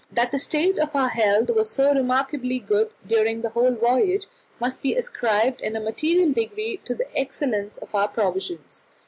That the state of our health was so remarkably good during the whole voyage must be ascribed in a material degree to the excellence of our provisions.